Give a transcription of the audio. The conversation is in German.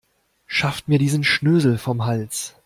Schafft mir diesen Schnösel vom Hals.